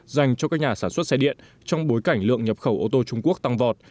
dành cho các nhà sản xuất xe điện trong bối cảnh lượng nhập khẩu ô tô trung quốc tăng vọt